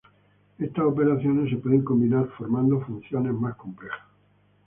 Estas operaciones se pueden combinar formando funciones más complejas.